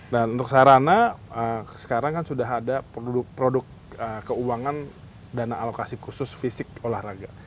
dan untuk sarana sekarang kan sudah ada produk keuangan dana alokasi khusus fisik olahraga